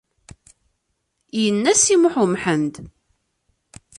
Yenna Si Muḥ u Mḥend.